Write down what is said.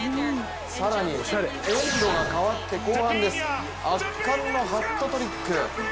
更にエンドが変わって後半です、圧巻のハットトリック。